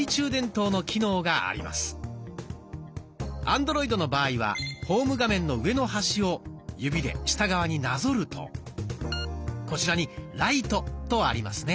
アンドロイドの場合はホーム画面の上の端を指で下側になぞるとこちらに「ライト」とありますね。